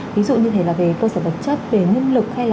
ví dụ như thế là về cơ sở vật chất về nhân lực